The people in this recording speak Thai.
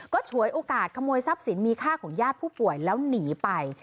ก็ฉวยโอกาสขโมยทรัพย์สินมีค่าของญาติผู้ป่วยแล้วหนีไป